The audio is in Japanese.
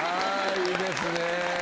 いいですね。